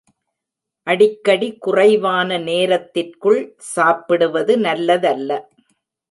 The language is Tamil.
அடிக்கடி குறைவான நேரத்திற்குள் சாப்பிடுவது நல்லதல்ல.